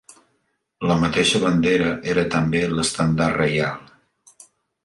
La mateixa bandera era també l'estendard reial.